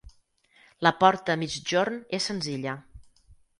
La porta a migjorn és senzilla.